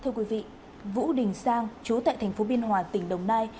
thưa quý vị vũ đình sang chú tại tp biên hòa tỉnh đồng nai